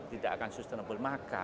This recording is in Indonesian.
tidak akan sustainable maka